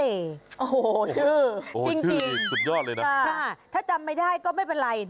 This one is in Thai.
โอ้โหชื่อจริงค่ะถ้าจำไม่ได้ก็ไม่เป็นไร